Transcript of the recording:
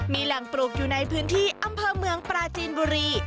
มีแหล่งปลูกอยู่ในพื้นที่อำเภอเมืองปราจีนบุรี